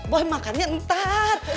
boy makannya entar